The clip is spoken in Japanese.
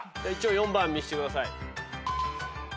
一応４番見してください。